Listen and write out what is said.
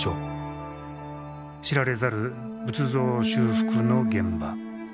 知られざる仏像修復の現場